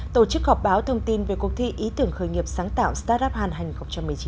tổ chức họp báo thông tin về cuộc thi ý tưởng khởi nghiệp sáng tạo start up hàn hành hai nghìn một mươi chín